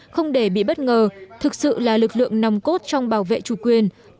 không để bị bất ngờ thực sự là lực lượng nòng cốt trong bảo vệ chủ quyền